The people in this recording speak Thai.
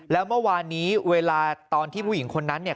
แล้วเมื่อวานนี้เวลาตอนที่ผู้หญิงคนนั้นเนี่ย